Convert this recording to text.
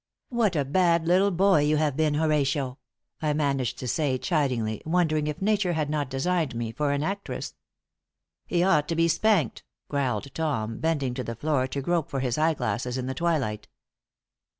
"What a bad little boy you have been, Horatio!" I managed to say, chidingly, wondering if nature had not designed me for an actress. "He ought to be spanked," growled Tom, bending to the floor to grope for his eye glasses in the twilight.